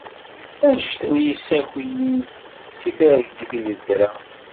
Anect-nni yessaki-yi-d seg targit i d-ddreɣ.